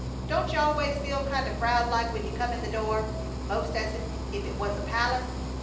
Don't you always feel kinda proud like when you come in the door, 'most as if it was a palace?